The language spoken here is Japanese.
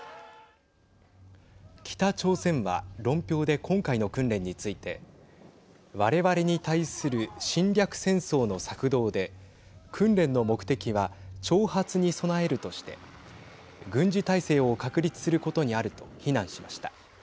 北朝鮮は論評で今回の訓練について我々に対する侵略戦争の策動で訓練の目的は挑発に備えるとして軍事態勢を確立することにあると非難しました。